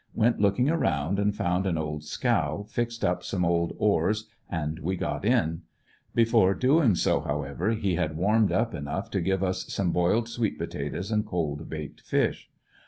Went looking around and found an old scow, fixed up some old oars, and w^e got in; before doing so however, he had warmed up enough to give us some boiled sweet potatoes and cold baked fish.